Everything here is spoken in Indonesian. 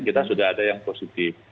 kita sudah ada yang positif